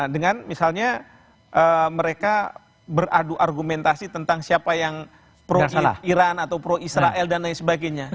dengan misalnya mereka beradu argumentasi tentang siapa yang pro iran atau pro israel dan lain sebagainya